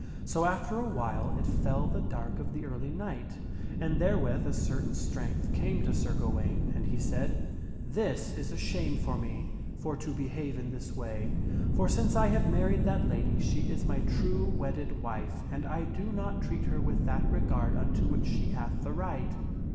! So after a while it fell the dark of the early night and there with a certain strength came to Sir Gawaine and he said, "This is a shame for me for to behave in this way ; for since I have married that lady she is my true wedded wife and I do not treat her with that regard unto which she hath the right."